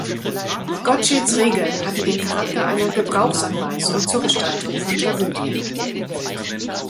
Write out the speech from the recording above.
Gottscheds Regeln hatten den Charakter einer Gebrauchsanweisung zur Gestaltung von Tragödien.